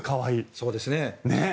そうですね。